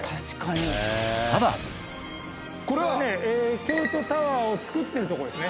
これはね京都タワーを造ってるとこですね。